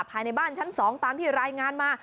ภายในบ้านชั้น๒ตามที่รายงานมา